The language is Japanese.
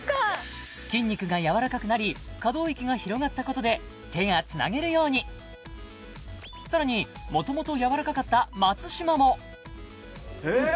筋肉が柔らかくなり可動域が広がったことで手がつなげるようにさらに元々柔らかかった松嶋もえっ！？